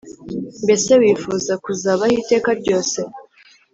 Mbese wifuza kuzabaho iteka ryose